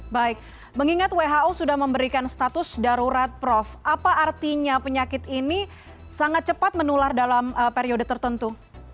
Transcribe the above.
baik mengingat who sudah memberikan status darurat prof apa artinya penyakit ini sangat cepat menular dalam periode tertentu